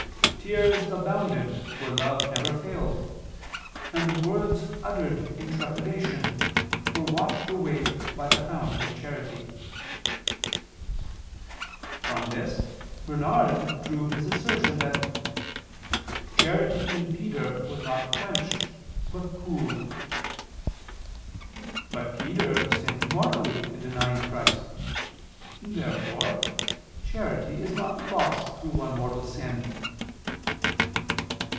Tears abounded where love never failed, and the words uttered in trepidation were washed away by the fount of charity." From this Bernard [*William of St. Thierry, De Nat. et Dig. Amoris. vi.] drew his assertion that "charity in Peter was not quenched, but cooled." But Peter sinned mortally in denying Christ. Therefore charity is not lost through one mortal sin.